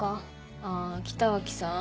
あぁ北脇さん？